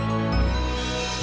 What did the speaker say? saya pengen main doch